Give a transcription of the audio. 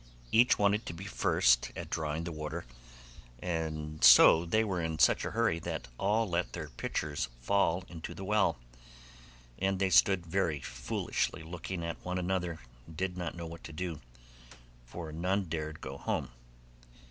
Each wanted to be first at drawing the water, and so they were in such a hurry that all let their pitchers fall into the well, and they stood very foolishly looking at one another, and did not know what to do, for none dared go home.